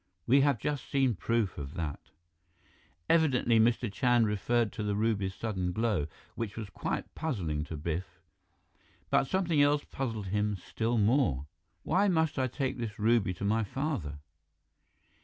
We have just seen proof of that." Evidently, Mr. Chand referred to the ruby's sudden glow, which was quite puzzling to Biff. But something else puzzled him still more. "Why must I take this ruby to my father?"